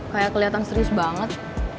kayak keliatan serius banget